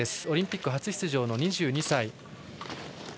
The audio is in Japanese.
オリンピック初出場、２２歳。